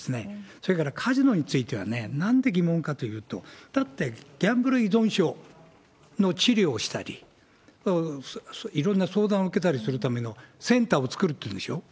それからカジノについてはね、なんで疑問かというと、だって、ギャンブル依存症の治療をしたり、いろんな相談を受けたりするためのセンターを作るっていうんでしょう？